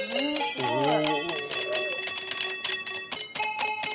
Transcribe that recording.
すごい！